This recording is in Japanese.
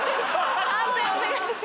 判定お願いします。